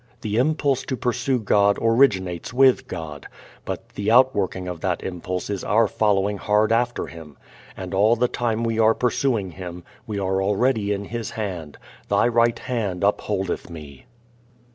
The impulse to pursue God originates with God, but the outworking of that impulse is our following hard after Him; and all the time we are pursuing Him we are already in His hand: "Thy right hand upholdeth me."